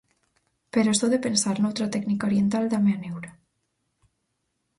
Pero só de pensar noutra técnica oriental dáme a neura.